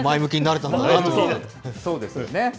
そうですよね。